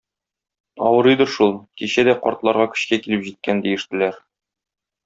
Авырыйдыр шул, кичә дә картларга көчкә килеп җиткән, - диештеләр.